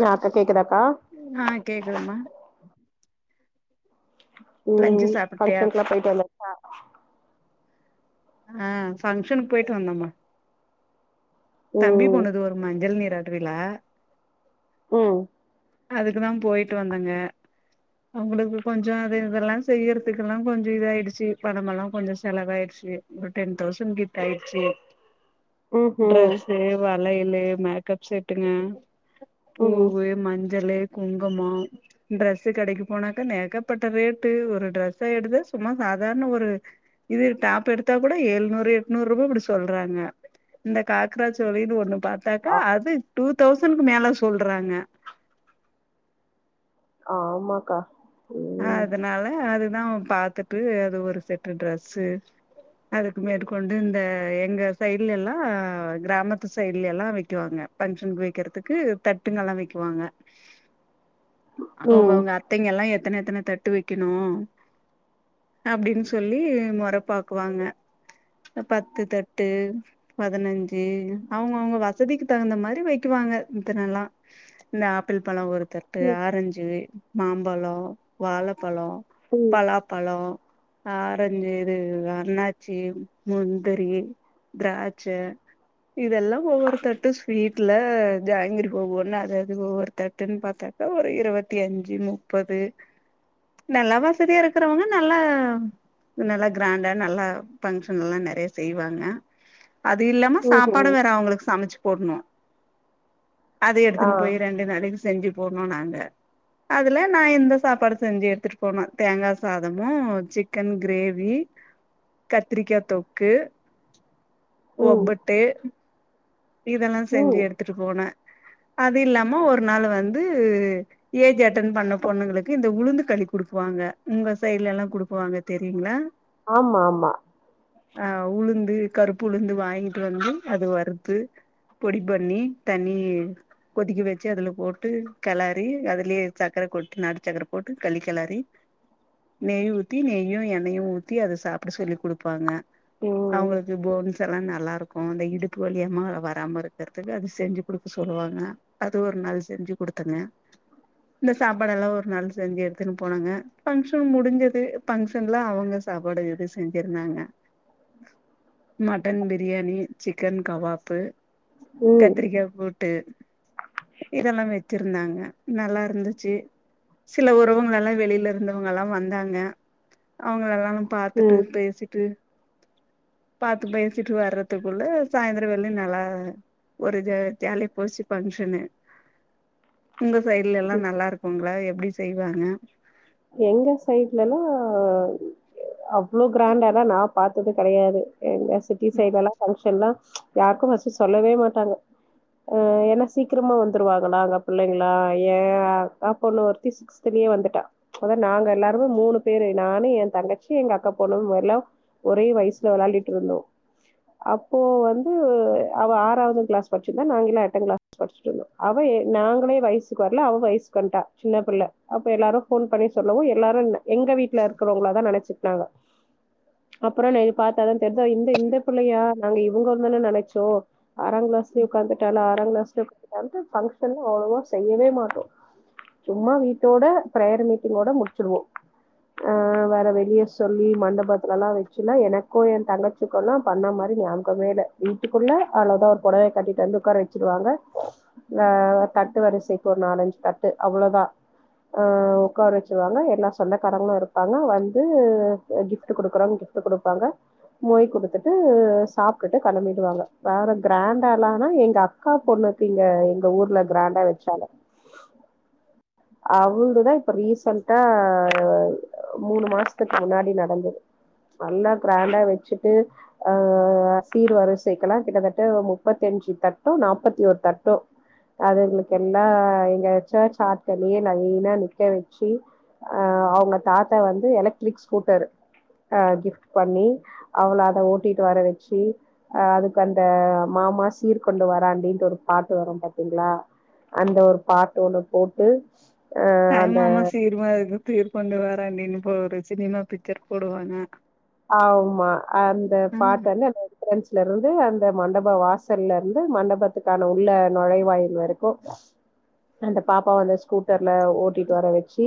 நா இப்ப கேக்குதாக்கா ஆ கேக்குது மா லஞ்சு ம் சாப்பிட்டியா ஃபங்க்ஷன்க்ல்லா போயிட்டு வந்தாச்சா ஆ பங்ஷனுக் போயிட்டு வந்தம்மா தம்பி ம் பொண்ணுது ஒரு மஞ்சள் நீராட்டுவிழா ம் அதுக்கு தா போயிட்டு வந்தங்க அவுங்களுக்கு கொஞ்சோ அது இதெல்லா செய்யறதுக்குல்லா கொஞ்சோ இதாயிடுச்சு பணம் எல்லா கொஞ்சோ செலவாயிடுச்சு ஒரு டென் தௌசண்ட் கிட்ட ஆயிடுச்சு ம்ஹும் டரெஸ்சு‌ வளையலு மேக்கப் செட்டுங்க ம் பூவு மஞ் சலு குங்குமோ ட்ரெஸ்சு கடைக்கு போனாக்கா நேகப்பட்ட ரேட்டு ஒரு ட்ரெஸ்ச எடுத்தா சும்மா சாதார்ண ஒரு இது டாப் எடுத்தா கூட எழுநூறு எட்நூறுபா அப்டி சொல்றாங்க இந்த காக்ரா சோலின்னு ஒண்ணு பாத்தாக்கா ஆ அது டூதௌசண்க்கு மேல சொல்றாங்க ஆமாக்கா ம் அதனால அதுதா பாத்துட்டு அது ஒரு செட்டு ட்ரெஸ்சு அதுக்கு மேற்கொண்டு இந்த எங்க சைட்லெல்லா அ கிராமத்து சைட்லெல்லா வெக்குவாங்க ஃபங்ஷன்க் வெக்கிறதுக்கு தட்டுங்கல்லா வெக்குவாங்க ம் அவுங்கவுங்க அத்தைங்கெல்லா எத்தன எத்தன தட்டு வெக்கிணு அப்டின் சொல்லி மொற பாக்குவாங்க அ பத்து தட்டு பதினஞ்சு அவுங்க அவுங்க வ சதிக்கு தகுந்த மாரி வெக்குவாங்க இத்தனலா இந்த ஆப்பிள் பழோ ஒரு தட் டு ம் ஆரஞ்சு மாம்பழோ வாழப்பழோ ம் பலாப்பழோ ஆரஞ்சு இது அன்னாச்சி முந்திரி திராட்ச இதெல்லா ஒவ்வொருத்தட்டு ஸ்வீ ட்ல ஜாங்கிரி இப்போ ஒன்னு அது அது ஒவ்வொருத் தட்டுன் பாத்தாக்கா ஒரு இருவத்தி அஞ்சு முப்பது நல்லா வசதியா இருக்கிறவங்க நல்லா நல்லா கிராண்டா நல்லா ஃபங்க்ஷனல்லா நெறய செய்வாங்க அது இல்லாம சாப்பாடு ம்ஹும் வேற அவுங்களுக் சமச்சு போட்ணு அத ஆ எடுத்துனு போய் ரெண்டு நாளைக்கு செஞ்சு போட்னு நாங்க அதுல நா இந்த சாப்பாடு செஞ்சு எடுத்துட்டு போன தேங்கா சாதமு சிக்கன் கிரேவி கத்திரிக்கா தொக்கு ம் ஒப்பட்டு இதெல்லா செஞ்சு ம் எடுத்துட்டு போனே அது இல்லாம ஒரு நாள் வந்து ஏஜி அட்டன் பண்ண பொண்ணுங்களுக்கு இந்த உளுந்து களி குடுக்குவாங்க உங்க சைட்லெல்லா குடுக்குவாங்க தெரியுங்ளா ஆமா ஆமா ஆ உளுந்து கருப்பு உளுந்து வாங்கிட்டு வந்து அது வறுத்து பொடி பண்ணி தண்ணி கொதிக்க வெச்சு அதுல போட்டு கெளரி அதுலியே சக்கர கொட் நாட்டு சக்கர போட்டு களி கெளரி நெய் ஊத்தி நெய்யு எண்ணெயு ஊத்தி அத சாப்பிட சொல்லி குடுப்பாங்க ம் அவுங்களுக்கு போன்ஸெல்லா நல்லா இருக்கு அந்த இடுப்பு வலியம்மா வராம இருக்கறதுக்கு அது செஞ்சு குடுக்க சொல்லுவாங்க அது ஒரு நாள் செஞ்சு குடுத்தங்க இந்த சாப்பாடெல்லா ஒரு நாள் செஞ்சு எடுத்துனு போனேங்க ஃபங்க்ஷன் முடிஞ்சது ஃபங்க்ஷன்ல அவுங்க சாப்பாடு இது செஞ்சிருந்தாங்க மட்டன் பிரியாணி சிக்கன் கவாப்பு ம் கத்திரிக்கா கூட்டு இதெல்லா வெச்சிருந்தாங்க நல்லா இருந்துச்சு சில உறவுங்லலா வெளில இருந்தவங்கலா வந்தாங்க அவங்கலெலா பாத்துட்டு ம் பேசிட்டு பாத்து பேசிட்டு வர்றதுக்குள்ள சாய்ந்தரோவெல்யு நல்லா ம் ஒரு ஜ ஜாலியா போச்சு ஃபங்க்ஷனு உங்க சைட்லெல்லா நல்லா இருக்குங்ளா எப்டி செய்வாங்க எங்க சைட்லெல்லா அவ்ளோ கிராண்டானா நா பாத்தது கெடயாது எங்க சிட்டி சைட்லெலா ஃபங்க்ஷன்னா யாருக்கு ஃபரஸ்ட்டு சொல்லவே மாட்டாங்க அ ஏனா சீக்கிரமா வந்துருவாங்களா அங்க புள்ளைங்களா ஏ அக்காப்பொண்ணு ஒருத்தி சினியே வந்துட்டா அதா நாங்க எல்லாருமே மூணு பேரு நானு எ தங்கச்சி எங்க அக்கா பொண்ணு வெர்லு ஒரே வயிசுல வெளாடிட் இருந்தோ அப்போ வந்து அவ ஆறாவது கிளாஸ் பச்சிருந்தா நாங்கல்லா எட்டா கிளா ஸ் படுசுட்ருந்தோ அவ நாங்களே வயசுக்கு வர்ல அவ வயசுக்குவன்ட்டா சின்ன புள்ள அப்ப எல்லாரு ஃபோன் பண்ணி சொல்லவு எல்லாரு என் எங்க வீட்ல இருக்கிறவங்களாதா நெனச்சுக்டாங்க அப்றோ நை பாத்தாதா தெரிது இந்த இந்த பிள்ளையா நாங்க இவங்கனானே நெனச்சோ ஆறாங் கிளாஸ்லே உக்காந்துட்டாளா ஆறாங் கிளாஸ்லே உக் வந்து ஃபங்க்ஷன்லா அவ்ளவா செய்யவே மாட்டோ சும்மா வீட்டோட பிரேயர் மீட்டிங்கோட முடிச்சுடுவோ அ வேற வெளிய சொல்லி மண்டபத்துலல்லா வெச்சுன்னா எனக்கு எ தங்கச் சிக்குல்லா பண்ண மாரி ஞாபகமேல்ல வீட்டுக்குள்ள அவ்ளதா ஒரு பொடவைய கட்டிட்டு வந்து உக்கார வெச்சிருவாங்க அ தட்டு வரிசைக்கு ஒரு நாலஞ்சு தட்டு அவ்ளோதா ஆ உக்கார வெச்சுருவாங்க எல்லா சொந்த காரங்களு இருப்பாங்க வந்து கிஃப்ட் குடுக்குறவங்க கிஃப்ட் டு குடுப்பாங்க மொய் குடுத்துட்டு சாப்ட்டுட்டு கெளம்பிடுவாங்க வேற கிராண்டாலானா எங்க அக் கா பொண்ணுக்கு இங்க எங்க ஊர்ல கிராண்டா வெச்சாங்க அவங்கதா இப்ப ரீசண்டா மூணு மாசத்துக்கு முன்னாடி நடந்தது நல்லா கிராண்டா வெச்சுட்டு ஆ சீர் வரிசைக்கெல்லா கிட்டத்தட்ட முப்பத்தி அஞ்சு தட்டோ நாப்பத்தி ஓர் தட்டோ அதுங்களுக்கு எல்லா இங்க வெச்சா சாட்களீ லைனா நிக்க வெச்சு அ அவுங்க தாத்தா வந்து எலக்ட்ரிக் ஸ்கூட்டரு அ கிஃப்ட் பண்ணி அவள அத ஓட்டிட்டு வர வெச்சு அ அதுக்கு அந்த மாமா சீர் கொண்டு வரான்டின்ட்டு ஒரு பாட்டு வரு பாத்தீங்களா அந்த ஒரு பாட்டு ஒன்னு போட்டு அ அந்த தாய்மாமா சீருமா சீர் கொண்டு வராண்டின்னு போ ஒரு சினிமா பிச்சர் போடுவாங்க ஆமா அந்த ம் பாட்டு வந்து அந்த என்ட்ரன்ஸ் ல இருந்து அந்த மண்டப வாசல்ல இருந்து மண்டபத்துக்கான உள்ள நுழைவாயில் வரைக்கு அந்த பாப்பாவ அந்த ஸ்கூட்டர்ல ஓட்டிட்டு வர வச்சு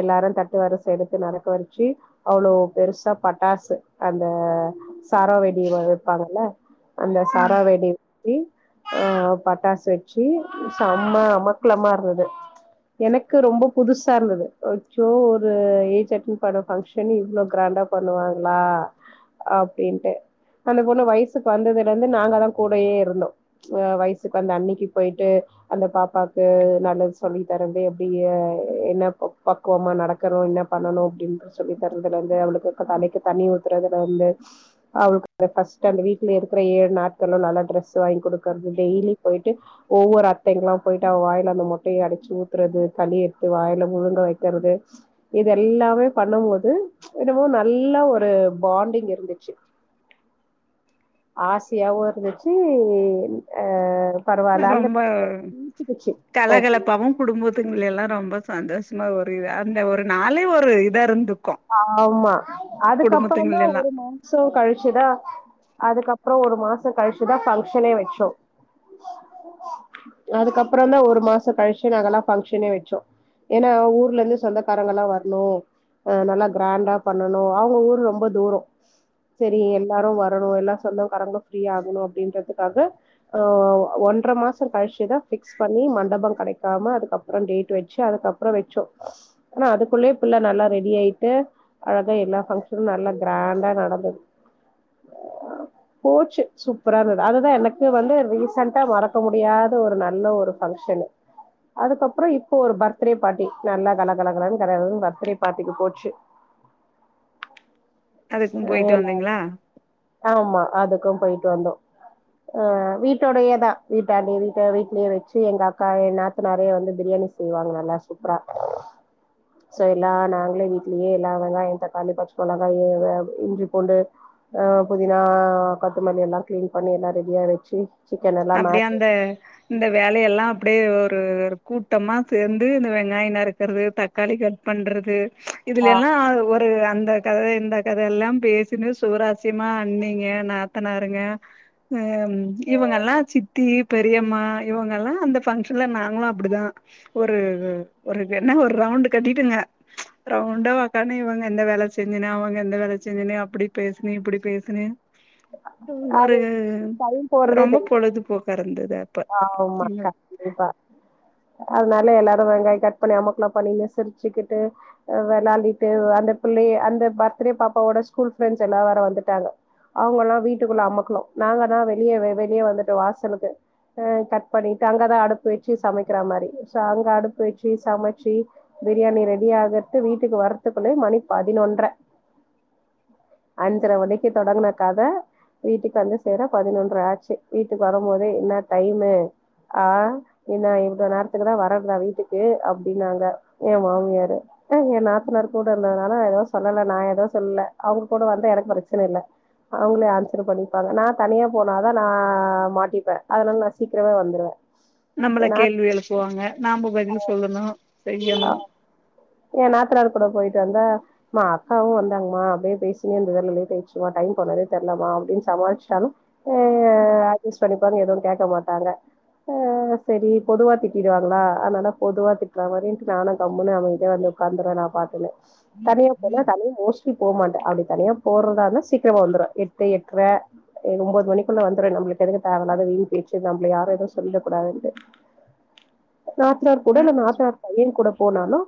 எல்லாரு தட்டு வரிச எடுத்து நடக்க வெச்சு அவ்ளோ பெருசா ப ட்டாசு அந்த சரவெடி இருப்பாங்கல்ல அந்த ம் சரவெடி இ ஆ பட்டாசு வெச்சு செம்ம அமக்கலமா இருந்தது எனக்கு ரொம்ப புதுசா இருந்தது அச்சோ ஒரு ஏஜ் அட்டன் பண்ண ஃபங்க்ஷன் இவ்ளோ கிராண்டா பண் ணுவாங்களா அப்டின்ட்டு அந்த பொண்ணு வயசுக்கு வந்ததுல இருந்து நாங்க தா கூடயே இருந்தோ ஆ வயசுக்கு அந்த அன்னிக்கி போய்ட்டு அந்த பாப்பாக்கு நல்லது சொல்லி தரது அப்டியூ என்ன ப குவமா நடக்கற என்ன பண்ணணு அப்டின்ற சொல்லி தரதுல இருந்து அவளுக்கு தலைக்கி தண்ணி ஊத்துறதுல இருந்து அவளுக்கு ஃபஸ்ட் அந்த வீட்ல இருக்கிற ஏழு நாட்கள நல்லா டிரெஸ் வாங்கி குடுக்கர்த டெய்லி போய்ட்டு ஒவ்வொரு அத்தைங்கல்லா போய்ட்டு அவ வாயில அந்த முட்டைய அடிச்சு ஊத்துறது களி எடுத்து வாயில முழுங்க வைக்கறது இது எல்லாமே பண்ண போது என்னமோ ந நல்லா ஒரு பாண்டிங் இருந்துச்சு ஆசயாவு இருந்துச்சு ஆ ரொம்ப ஓகே கலகலப்பாவு குடும்பத்துங்கல்லலா ரொம்ப சந்தோஷமா ஒரு இது அந்த ஒரு நாளே ஒரு இதா இருந்துக்கு ஆமா அதுக்கப்பறோதா குடும்பத்துங்கள எல்லா ஒரு மா சோ கழிச்சுதா அதுக்கப்பற ஒரு மாசோ கழிச்சுதா பங்க்ஷனே வச்சோ அதுக்கப்பற தா ஒரு மாச கழிச்சு நாங்கெல்லா பங்க்ஷனே வச்சோ ஏன்னா ஊர்ல இருந்து சொந்தக்காரங்கள் எல்லா வர்ணு அ நல்லா கிராண்டா பண்ணனு அவுங்க ஊர் ரொம்ப தூரோ சரி எல்லாரு வரணு எல்லா சொந்தக்கரங்க ஃப்ரீ ஆகணு அப்டின்றதுக்காக ஆ ஒன்றர மாசம் கழிச்சுதா பிக்ஸ் பண்ணி மண்டபம் கெடைக்காம அதுக்கப் ப்றோ டேட் வச்சு அதுக்கப்பற வச்சோ ஆனா அதுக்குள்ளயே பிள்ள நல்லா ரெ டியாயிட்டு அழக எல்லா பக்க்ஷனு நல்ல கிராண்டா நடந்தது போச்சு சூப்பரா இருந்தது அதுதா எனக்கு வந்து ரீசன்டா மறக்க முடியாத ஒரு நல்ல ஒரு பக்க்ஷனு அதுக்கப்பற இப்ப ஒரு பர்த்டே பார்ட்டி நல்லா கல கல கலனு பர்த்டே பார்ட்டிக்கு போச்சு அதுக்கும் அ போயிட்டு எல்லா வந்தீங்களா ஆமா அதுக்கு போய்ட்டு வந்தோ ஆ வீட்டோடையே தா வீட்டாண்ட வீட்ட வீட்லேயே வச்சு எங்க அக்கா எ நாத்தநாரையு வந்து பிரியாணி செய்வாங்க நல்லா சூப்பரா எல்லா நாங்களே வீட்லயே எல்லா வெங்காயோ தக்காளி பச்ச மொளகா [unintelligible] இஞ்சி பூண்டு ஆ புதினா கொத்தமல்லி எல்லா கிளீன் பண்ணி எல்லா ரெடியா வச்சு சிக்கன் எல்லாம் அப்டியே மேரினேட் அந்த இந்த வேலையெல்லா அப்டியே ஒரு கூட்டமா சேந்து இந்த வெங்காய நறுக்கறது தக் காளி கட் பண்றது இதுல எல்லா ஒ ரு அந்தக் கத இந்தக் கத எல்லா பேசனனு சுவராசியமா அண்ணிங்க நாத்தனாருங்க அ ம் இவுங்க எல்லா சித்தி பெரியம்மா இவுங்க எல்லா அந்த பங்க்ஷன்ல நாங்களு அப்டிதா ஒரு ஒரு என்ன ஒரு ரவுண்ட் கட்டிட்டுங்க ரவுண்டா ஒக்காந்து இவுங்க எந்த வேல செஞ்சனு அவுங்க எந்த வேல செஞ்சுனனு அப்டி பேசுனே இப்டி பேசுனே ஒரு அது டைம் ரொம்ப பொழுதுபோக்கா இருந்தது அ ஆம் அக்கா கண்டிப்பா அதனால எல்லாரு வெங்காய கட் பண்ணி அமக்கலா பண்ணினு சிரிச்சுக்கிட்டு வெளாண்டிட்டு அந்த பிள்ளைய அந்த பர்த்டே பாப்பாவோட ஸ்கூல் ஃப்ரெண்ட்ஸ் எல்லா வேர வந்துட்டாங்க அவுங்க அல்லா வீட்டுக்குள்ள அமக்கலோ நாங்க தா வெளியே வெளியே வந்துட்டோ வாசலுக்கு அ கட் பண்ணிட்டு அங்கதா அடுப்பு வச்சு சமைக்கிற மாரி சோ அங்க அடுப்பு வச்சு சமைச்சு பிரியாணி ரெடி ஆகரது வீட்டுக்கு வரதுக்குள்ளே மணி பதினொன்ற அஞ்சர மணிக்கு தொடங்கன கத வீட்டுக்கு வந்து சேற பதினொன்ற ஆச்சி வீட்டுக்கு வரும் போதே என்ன டைமு ஆ என்ன இந்த நேரத்துல தா வரக்கூடாது வீட்டுக்கு அப்டின்னாங்க ஏ மாமியாரு அ ஏ நாத்தனார் கூட இருந்ததுனால ஏதோ சொல்லலா நா ஏதோ சொல்லல அவுங்க கூட வந்தா எனக்கு பிரச்சன இல்லா அவுங்களே ஆன்சர் பண்ணிப்பாங்க நா தனியா போனாதா நா மாட்டிப்பே அதனால நா சீக்கிரமே வந்துடுவே நம்மள கேள்வி எழுப்புவாங்க நாம்ம பதில் சொல்லணு செய்யணு ஏ நாத்தனார் கூட போயிட்டு வந்தா மா அக்காவு வந்தாங்மா அப்டியே பேசினே இருந்ததுல லேட் ஆயிச்சிமா டைம் போனதே தெர்லமா அப்டியே சமாளிச்சாலு அ அட்ஜஸ் பண்ணிப்பாங்க எதுவு கேட்க மாட்டாங்க ஆ செரி பொதுவா திட்டிடுவாங்களா அதனால பொதுவா திட்டுறா மாரி நானு கம்முன்னே அமை தியா வந்து உக்காந்திருவா நா பாட்டுல தனியா போனா தனியா மோஸ்ட்லி போ மாட்டே அப்டி தனியா போறதா இருந்தா சீக்கிரமா வந்திடுவே எட்டு எட்ர இது ஒம்போது மணிக்குள்ள வந்துருவ நம்மளுக்கு என்ன தேவயில்லாத வீண் பேச்சி நம்மள யாரு எதுவு சொல்ல கூடாதுன்டு நாத்தனார்கூட அ இல்ல நாத்தனார் பையன் கூட போனாலு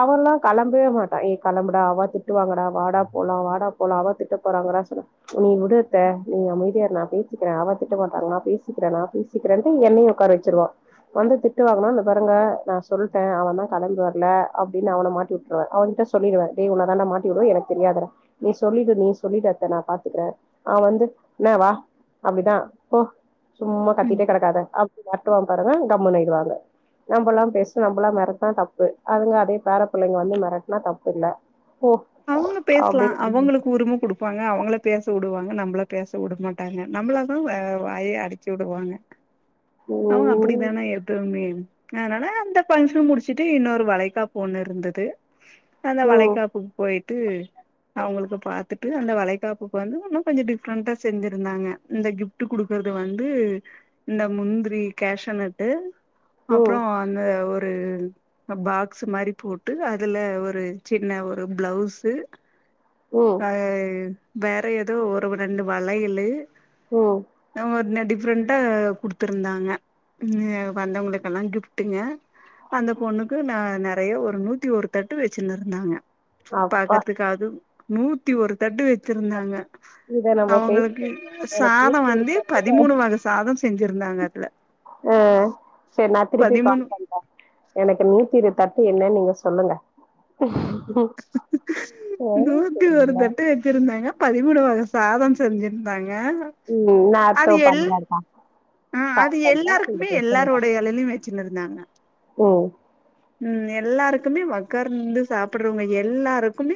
அவர்லா களம்பவே மாட்டா ஏ களம்புடா அவ்வா திட்டுவாங்கடா வாடா போலா வாடா போலா அவ்வா திட்ட போறாங்கடா சொல்ல நீ உடு அத்த நீ அமைதியா இரு நா பேசிக்கிற அவ்வா திட்ட மாட்டாங்க நா பேசிக்கிற நா பேசிக் சீக்கிரெண்டு எண்னய உக்கார வெச்சிருவா வந்து திட்டு வாங்குனா இந்த பாருங்க நா சொல்ட்ட அவந்தா கலந்து வந் ல்ல அப்டின் அவன மாட்டி உட்ருவே அவகிட்ட சொல்லிடுவே டேய் உன்ன தாடா மாட்டி உடுவே எனக்கு தெரியாதுடா நீ சொல்லிடு நீ சொல்லிடு அத்த நா பாத்துக்குறே அவ வந்து இன்னா வா அப்டிதா போ சும்மா ம் கத்திட்டே கடக்காத அப் மெரட்டுவா பாருங்க கம்முனு ஆய்டுவாங்க நம்பெல்லா பேசுனா நம்பெல்லா மெரட்டுனா தப்பு அதுங்க அதே பேற பிள்ளைங்க வந்து மெரட்னா தப்பு இல்ல போ அவுங்க பேசலா அப்டின்னு அவங்களுக்கு உரிம குடுப் வப்பாங்க அவங்கள பேச உடுவாங்க நம்மள பேச உடமாட்டாங்க நம்மள தா வாய்ய அடச்சி வுடுவாங்க அவுங்க ம் அப்படித்தான எப்பவுமே அதனால அந்த பங்க்ஷன் முடிச்சிட்டு இன்னொரு வளைகாப்பு ஒண்ணு இருந்தது அந்த ம் வளைக்காப்பு போயிட்டு அவுங்களுக்கு பாத்துட்டு அந்த வளைகாப்புக்கு வந்து இன்னு கொஞ்சோ டிஃப்ரெண்டா செஞ்சிருந்தாங்க இந்த கிப் கிஃப்டு குடுக்குறது வந்து இந்த முந்திரி கேஷனட்டு ம் அப்புறோ அந்த ஒரு பாக்ஸ் மாரி போட்டு அதுல ஒரு சின்ன ஒரு பிளவுஸ்சு ம் அ வேற ஏதோ ஒரு ரெண்டு வளையளு ம் இன்ன ஒன்னு டிஃப்ரெண்டா குடுத்திருந்தாங்க ம் வந்தவுங்களுக்கெல்லா கிஃப்டுங்க அந்த பொண்ணுக்கு ந நறைய ஒரு நூத்தி ஒரு தட்டு வெச்சினு இருந்தாங்க அப்பா பாக்கரத்துக்காது நூத்தி ஒரு தட்டு வெச்சிருந்தாங்க இத நம்ம பேசி அவுங்களுக்கு எனக்கு சாத நூத்தி ஒரு வந்து தட்டு. பதிமூணு வக சாத செஞ்சிருந்தாங்க அதுல அ செரி நா திருப்பி பதிமூணு கால் பண் ஆ எனக்கு நூத்திரு தட்டு என்னன் நீங்க சொல்லுங்க என் போறங்களா திருந்தாங்க பதிமூணு வக சாதோ செஞ்சிருந்தாங்க ம் நா அத்தோ பண்றதா ஆ அது எல்லாருக்குமே சொல்லுங்க எல்லாரோட எலையிலயு வச்சினு இருந்தாங்க ம் ம் எல்லாருக்குமே ஒகர்ந்து சாப்டுறவங்க எல்லாருக்குமே